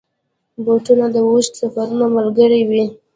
بوټونه د اوږدو سفرونو ملګري وي.